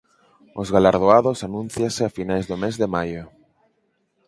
Os galardoados anúncianse a finais do mes de maio.